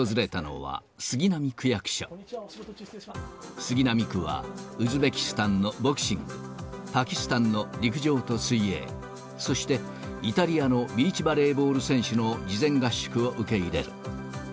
杉並区は、ウズベキスタンのボクシング、パキスタンの陸上と水泳、そして、イタリアのビーチバレーボール選手の事前合宿を受け入れる。